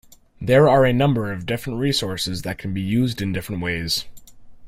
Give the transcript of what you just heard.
There are a number of different resources that can be used in different ways.